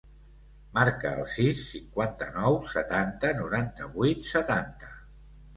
Marca el sis, cinquanta-nou, setanta, noranta-vuit, setanta.